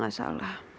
aku mau sikat gigi